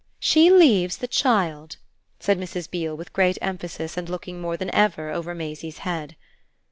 "She leaves the child," said Mrs. Beale with great emphasis and looking more than ever over Maisie's head.